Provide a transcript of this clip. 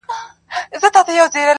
یوه د وصل شپه وي په قسمت را رسېدلې؛